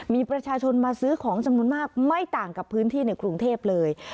มีประชาชนมาซื้อของจำนวนมากไม่ต่างกับพื้นที่ในกรุงเทพเลย